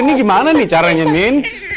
ini gimana nih caranya nin